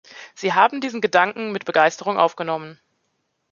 Sie haben diesen Gedanken mit Begeisterung aufgenommen.